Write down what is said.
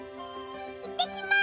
いってきます。